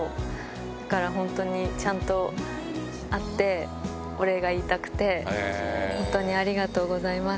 だから本当にちゃんと会って、お礼が言いたくて、本当にありがとうございます。